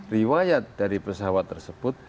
riwayat dari pesawat tersebut